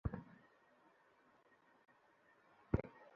তবে নতুন একাধিক সুবিধা হালনাগাদ করা হতে পারে বলে ধারণা করা হচ্ছে।